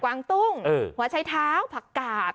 วางตุ้งหัวใช้เท้าผักกาด